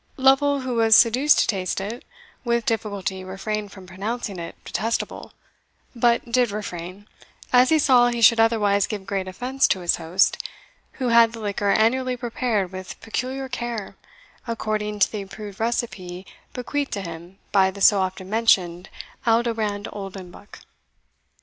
Lovel, who was seduced to taste it, with difficulty refrained from pronouncing it detestable, but did refrain, as he saw he should otherwise give great offence to his host, who had the liquor annually prepared with peculiar care, according to the approved recipe bequeathed to him by the so often mentioned Aldobrand Oldenbuck.